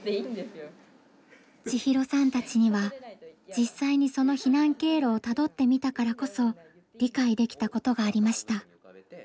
千尋さんたちには実際にその避難経路をたどってみたからこそ理解できたことがありました。